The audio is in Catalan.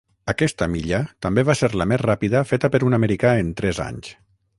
Aquesta milla també va ser la més ràpida feta per un americà en tres anys.